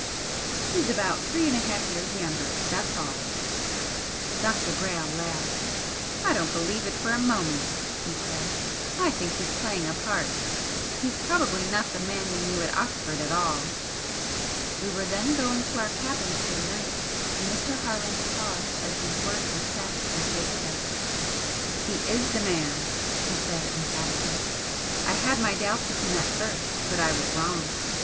"He's about three and a half years younger that's all." Dr. Brayle laughed. "I don't believe it for a moment!" he said "I think he's playing a part. He's probably not the man you knew at Oxford at all." We were then going to our cabins for the night, and Mr. Harland paused as these words were said and faced us. "He IS the man!" he said, emphatically "I had my doubts of him at first, but I was wrong.